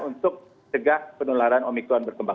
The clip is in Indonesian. untuk cegah penularan omikron berkembang